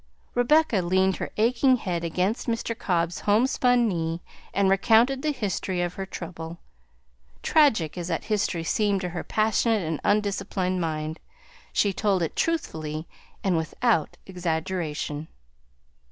Rebecca leaned her aching head against Mr. Cobb's homespun knee and recounted the history of her trouble. Tragic as that history seemed to her passionate and undisciplined mind, she told it truthfully and without exaggeration.